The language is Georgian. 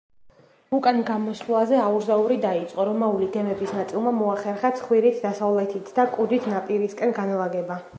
უკან გამოსვლაზე აურზაური დაიწყო, რომაული გემების ნაწილმა მოახერხა ცხვირით დასავლეთით და კუდით ნაპირისკენ განლაგება.